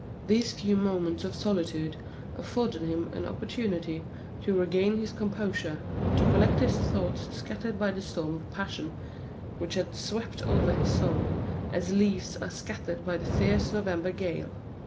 These few moments of solitude afforded him an opportunity to regain his composure, to collect his thoughts scattered by the storm of passion which had swept over his soul, as leaves are scattered by the fierce November gale.